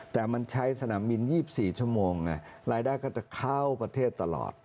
แต่มันใช้สนามบิน๒๔ชั่วโมงไงรายได้ก็จะเข้าประเทศตลอด